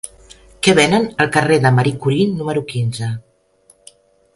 Què venen al carrer de Marie Curie número quinze?